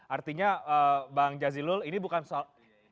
artinya bang jazilul ini bukan soal